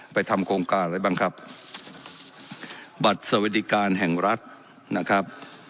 ทำโครงการอะไรบ้างครับบัตรสวัสดิการแห่งรัฐนะครับ